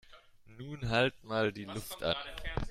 Nun halt mal die Luft an